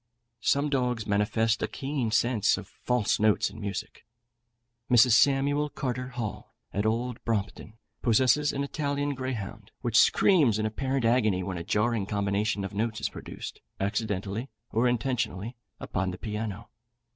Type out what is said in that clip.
Some dogs manifest a keen sense of false notes in music. Mrs. Samuel Carter Hall, at Old Brompton, possesses an Italian greyhound, which screams in apparent agony when a jarring combination of notes is produced, accidentally or intentionally, on the piano.